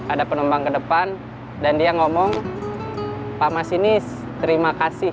ada penumpang ke depan dan dia ngomong pak masinis terima kasih